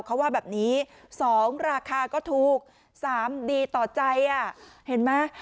เขาว่าแบบนี้๒ราคาก็ถูก๓ดีต่อใจเห็นไหม